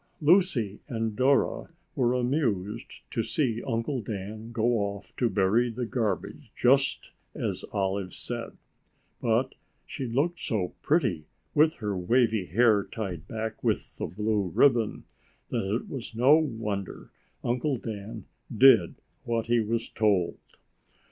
Lucy and Dora were amused to see Uncle Dan go off to bury the garbage just as Olive said. But she looked so pretty with her wavy hair tied back with the blue ribbon that it was no wonder Uncle Dan did what he was told.